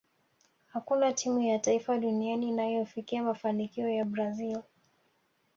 hakuna timu ya taifa duniani inayofikia mafanikio ya brazil